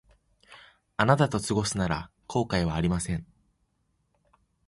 あなたと過ごすなら後悔はありません